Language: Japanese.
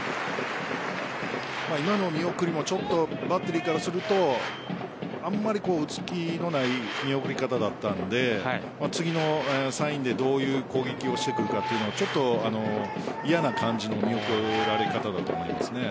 今の見送りもちょっとバッテリーからするとあんまり打つ気のない見送り方だったので次のサインでどういう攻撃をしてくるかはちょっと嫌な感じの見送られ方だと思いますね。